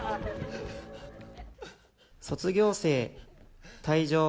卒業生退場。